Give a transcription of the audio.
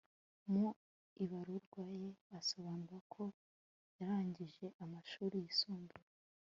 mu ibaruwa ye asobanura ko yarangije amashuri yisumbuye